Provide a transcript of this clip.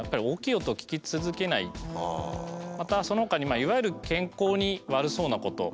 またそのほかにいわゆる健康に悪そうなこと。